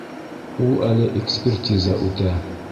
Ул әле экспертиза үтә.